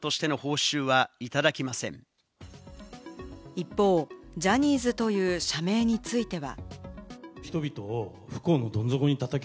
一方、ジャニーズという社名については。